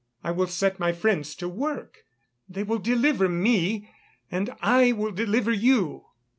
I will set my friends to work; they will deliver me, and I will deliver you."